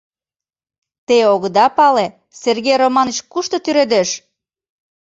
— Те огыда пале, Сергей Романыч кушто тӱредеш?